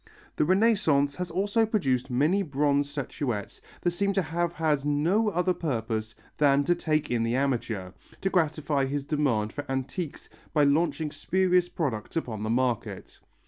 The Renaissance has also produced many bronze statuettes that seem to have had no other purpose than to take in the amateur to gratify his demand for antiques by launching spurious products upon the market.